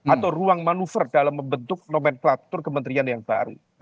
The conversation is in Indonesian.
atau ruang manuver dalam membentuk nomenklatur kementerian yang baru